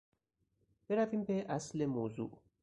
برویم به اصل موضوع.